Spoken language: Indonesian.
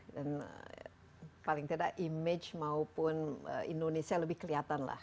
dan paling tidak image maupun indonesia lebih kelihatan lah